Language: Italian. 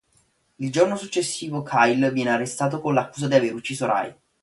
Il giorno successivo, Kyle viene arrestato con l'accusa di aver ucciso Ray.